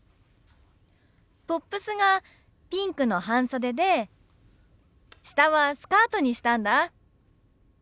トップスがピンクの半袖で下はスカートにしたんだ。